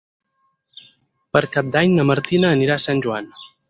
Per Cap d'Any na Martina anirà a Sant Joan.